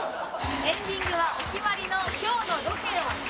エンディングはお決まりの今日のロケを評価するひと言。